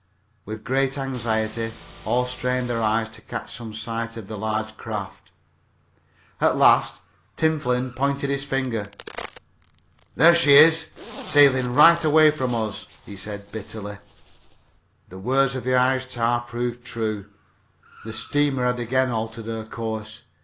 With great anxiety all strained their eyes to catch some sight of the large craft. At last Tim Flynn pointed with his finger. "There she is sailin' right away from us!" he said bitterly. The words of the Irish tar proved true the steamer had again altered her course.